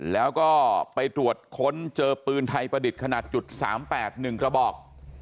แล้วก็ไปตรวจค้นเจอปืนไทยประดิษฐ์ขนาด๓๘๑กระบอก